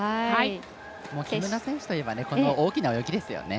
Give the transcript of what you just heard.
木村選手といえば大きな泳ぎですよね。